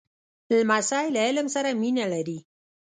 لمسی له علم سره مینه لري.